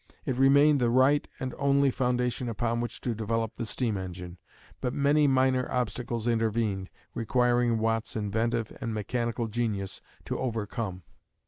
It remained the right and only foundation upon which to develop the steam engine, but many minor obstacles intervened, requiring Watt's inventive and mechanical genius to overcome.